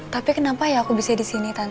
tapi kenapa ya aku bisa disini tan